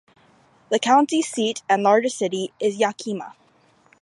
The county seat and largest city is Yakima.